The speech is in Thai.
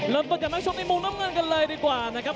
เริ่มต้นจากนักชกในมุมน้ำเงินกันเลยดีกว่านะครับ